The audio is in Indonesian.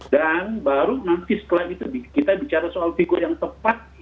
dan baru nanti setelah itu kita bicara soal figur yang tepat